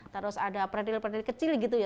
terus ada predil predil kecil gitu ya